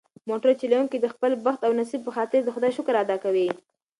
موټر چلونکي د خپل بخت او نصیب په خاطر د خدای شکر ادا کړ.